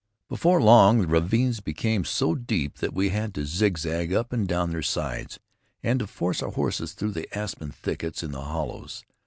Before long, the ravines became so deep that we had to zigzag up and down their sides, and to force our horses through the aspen thickets in the hollows.